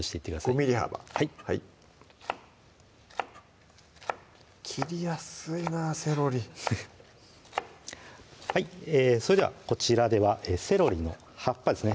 ５ｍｍ幅はい切りやすいわセロリそれではこちらではセロリの葉っぱですね